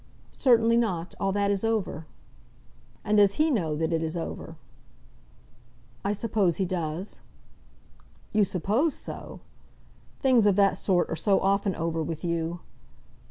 "Certainly not; all that is over." "And does he know that it is over?" "I suppose he does." "You suppose so! Things of that sort are so often over with you!"